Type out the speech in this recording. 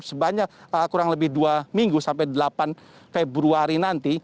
sebanyak kurang lebih dua minggu sampai delapan februari nanti